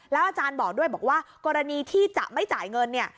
แล้วอาจารย์บอกด้วยว่ากรณีที่จะไม่จ่ายเงิน